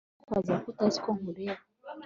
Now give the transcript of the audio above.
witwaza ko utazi ko nkureba